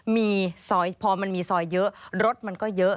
มีซอยพอมันมีซอยเยอะรถมันก็เยอะ